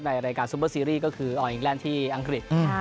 ในรายการซุปเปอร์ซีรีส์ก็คือออยอิงแลนด์ที่อังกฤษ